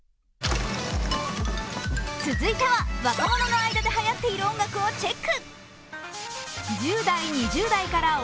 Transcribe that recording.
続いては、若者の間ではやっている音楽をチェック。